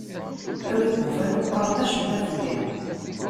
A wi yufan ur qqaren acemma fell-i.